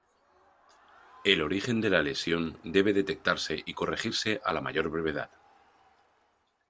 El origen de la lesión debe detectarse y corregirse a la mayor brevedad.